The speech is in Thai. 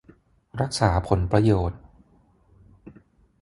รักษาผลประโยชน์